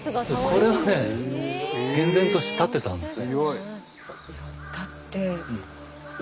これはね厳然として立ってたんですね。